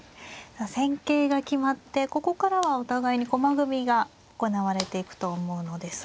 戦型が決まってここからはお互いに駒組みが行われていくと思うのですが。